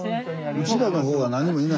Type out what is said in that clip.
うちらの方は何人もいない？